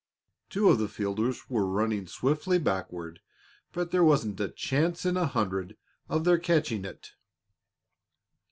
Two of the fielders were running swiftly backward, but there wasn't a chance in a hundred of their catching it.